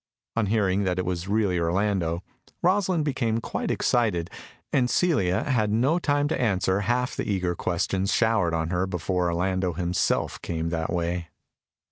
On hearing that it was really Orlando, Rosalind became quite excited, and Celia had no time to answer half the eager questions showered on her before Orlando himself came that way.